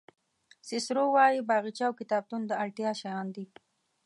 سیسرو وایي باغچه او کتابتون د اړتیا شیان دي.